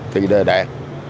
thì đề đạt